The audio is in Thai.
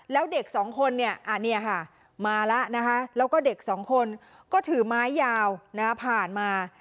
แล้วเด็กสองคนมาแล้วเด็กสองคนก็ถือไม้ยาวผ่านมา